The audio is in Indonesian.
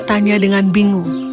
dia tanya dengan bingung